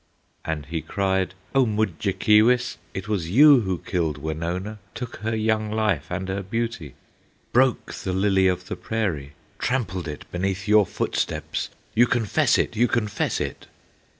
And he cried, "O Mudjekeewis, It was you who killed Wenonah, Took her young life and her beauty, Broke the Lily of the Prairie, Trampled it beneath your footsteps; You confess it! you confess it!"